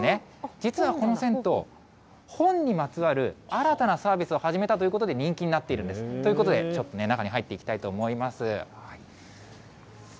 実はこの銭湯、本にまつわる新たなサービスを始めたということで、人気になっているんです。ということで、ちょっとね、中に入っていきたいと思います。